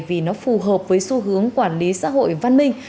vì nó phù hợp với xu hướng quản lý xã hội văn minh